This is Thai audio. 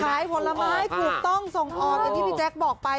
ขายผลไม้ถูกต้องส่งออกอย่างที่พี่แจ๊คบอกไป